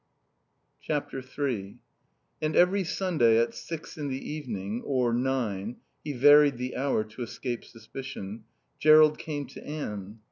iii And every Sunday at six in the evening, or nine (he varied the hour to escape suspicion), Jerrold came to Anne.